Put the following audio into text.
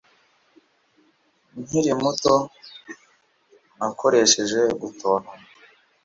Nkiri muto Nakoresheje gutontoma